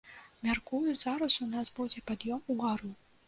Мяркую, зараз у нас будзе пад'ём угару.